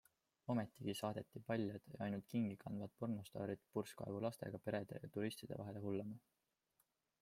Ometigi saadeti paljad ja ainult kingi kandvad pornostaarid purskaevu lastega perede ja turistide vahele hullama.